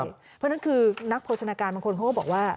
เพราะฉะนั้นคือนักโภชนาการบางคนเขาก็บอกว่า